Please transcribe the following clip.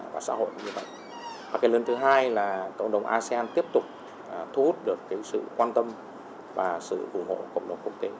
và cái lần thứ hai là cộng đồng asean tiếp tục thu hút được cái sự quan tâm và sự ủng hộ của cộng đồng quốc tế